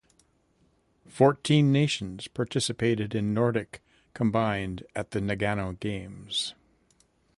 Fourteen nations participated in Nordic combined at the Nagano Games.